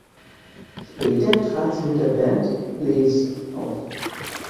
Später trat sie mit der Band "Lace" auf.